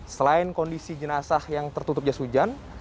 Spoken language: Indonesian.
selain kondisi jenazah yang tertutup jas hujan